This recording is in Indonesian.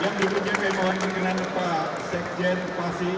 yang diberikan keimauan mengenai pak sekjen fasi